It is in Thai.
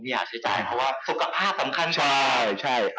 อยากใช้จ่ายเพราะว่าสุขภาพสำคัญใช่